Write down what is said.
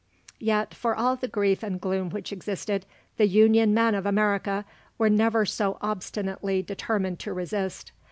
Yet for all the grief and gloom which existed, the Union men of America were never so obstinately determined to resist.